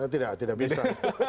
tidak tidak bisa